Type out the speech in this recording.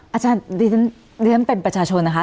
อาจารย์เรียนเป็นประชาชนนะคะ